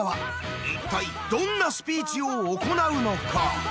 一体どんなスピーチを行うのか？